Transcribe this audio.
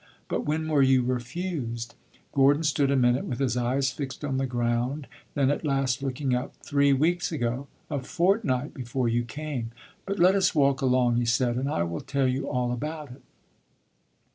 But when were you refused?" Gordon stood a minute with his eyes fixed on the ground. Then, at last looking up, "Three weeks ago a fortnight before you came. But let us walk along," he said, "and I will tell you all about it."